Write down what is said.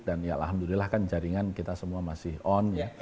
dan ya alhamdulillah kan jaringan kita semua masih on